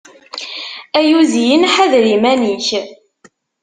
Ay uzyin, ḥader iman-ik!